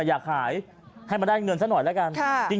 อยากขายให้มาได้เงินซะหน่อยแล้วกัน